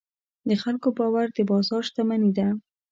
د خلکو باور د بازار شتمني ده.